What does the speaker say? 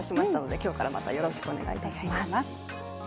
今日からまたよろしくお願い致します。